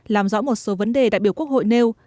làm rõ một số vấn đề đại biểu quốc hội nêu